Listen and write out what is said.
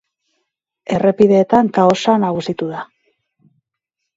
Errepideetan kaosa nagusitu da.